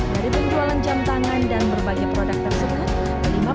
dari penjualan jam tangan dan berbagai produk tersebut